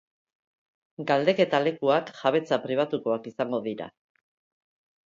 Galdeketa lekuak jabetza pribatukoak izango dira.